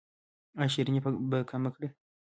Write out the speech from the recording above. ایا شیریني به کمه کړئ؟